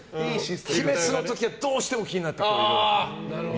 「鬼滅」の時はどうしても気になって。